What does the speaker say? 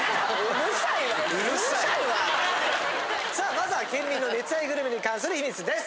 さあまずは県民の熱愛グルメに関する秘密です。